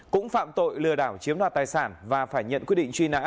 cũng phạm tội lừa đảo chiếm đoạt tài sản và phải nhận quyết định truy nã